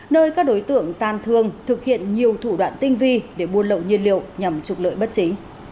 nơi các đối tượng gian thương thực hiện nhiều thủ đoạn tinh vi để buôn lậu nhiên liệu nhằm trục lợi bất chính